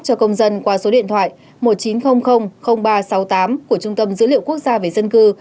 cho công dân qua số điện thoại một nghìn chín trăm linh ba trăm sáu mươi tám của trung tâm dữ liệu quốc gia về dân cư